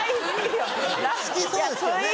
・好きそうですよね